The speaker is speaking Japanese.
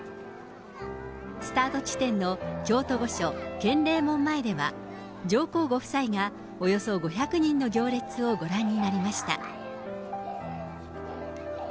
スタート地点の京都御所建礼門前では、上皇ご夫妻がおよそ５００人の行列をご覧になりました。